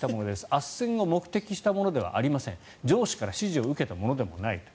あっせんを目的としたものではありません上司から指示を受けたものでもないと。